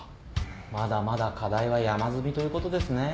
まだまだ課題は山積みということですね。